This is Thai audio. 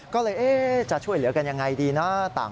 ก็เลยจะช่วยเหลือกันยังไงดีนะ